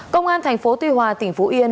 công an tp tuy hòa tỉnh phú yên